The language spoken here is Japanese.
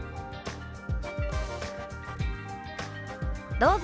どうぞ。